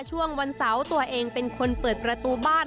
ช่วงวันเสาร์ตัวเองเป็นคนเปิดประตูบ้าน